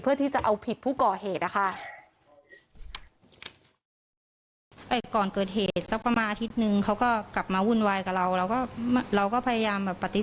เพื่อที่จะเอาผิดผู้ก่อเหตุนะคะ